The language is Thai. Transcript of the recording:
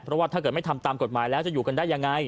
เพราะว่าถ้าเกิดไม่ทำตามกฎหมายแล้วจะอยู่กันได้ยังไง